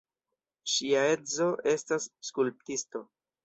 Ŝia edzo estas skulptisto.